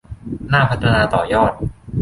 น่าพัฒนาต่อยอด